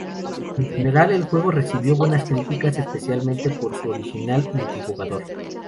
En general, el juego recibió buenas críticas especialmente por su original multijugador.